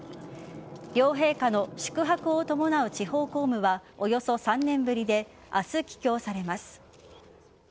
両陛下の宿泊を伴う地方公務はおよそ３年ぶりで明日、帰京されます。